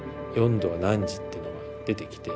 「４°は何時」っていうのが出てきて。